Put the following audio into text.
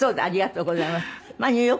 ありがとうございます。